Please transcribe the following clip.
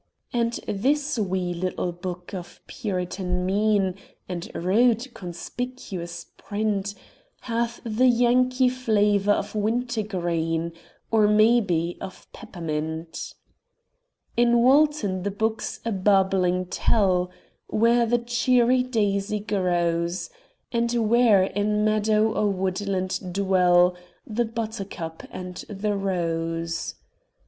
And this wee little book of Puritan mien And rude, conspicuous print Hath the Yankee flavor of wintergreen, Or, may be, of peppermint. In Walton the brooks a babbling tell Where the cheery daisy grows, And where in meadow or woodland dwell The buttercup and the rose.